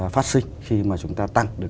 phát sinh khi mà chúng ta tăng được